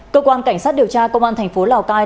cơ quan cảnh sát điều tra công an thành phố lào cai